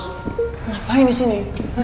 kenapa ini disini